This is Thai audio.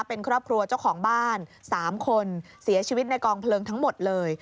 เป็นครอบครัวเจ้าของบ้าน๓คนเสียชีวิตในกองเพลิงทั้งหมดเลย